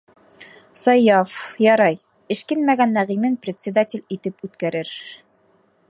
Саяф, ярай, эшкинмәгән Нәғимен председатель итеп үткәрер.